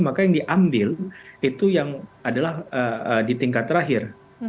maka yang diambil itu yang adalah di tingkat terakhir